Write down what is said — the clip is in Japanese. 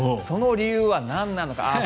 その理由はなんなのか。